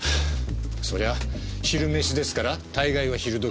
そりゃ昼飯ですから大概は昼時ですが。